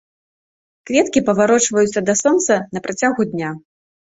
Кветкі паварочваюцца да сонца на працягу дня.